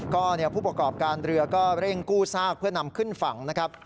ก็ผู้ประกอบการเรือก็เร่งกู้ซากเพื่อนำขึ้นฝั่งนะครับ